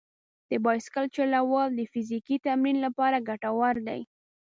د بایسکل چلول د فزیکي تمرین لپاره ګټور دي.